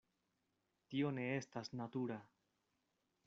Tio ne estas natura.